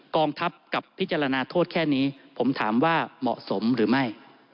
กองทัพกับพิจารณาโทษแค่นี้ผมถามว่าเหมาะสมหรือไม่